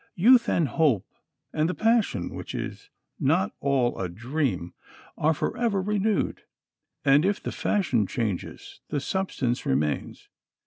Youth and hope and the passion which "is not all a dream" are forever renewed, and if the fashion changes, the substance remains.